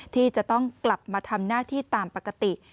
ที่จะต้องกลับมาทำหน้าที่ตามปกติ